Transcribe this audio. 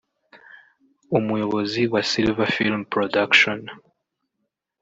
umuyobozi wa Silver Film Production